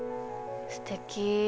すてき。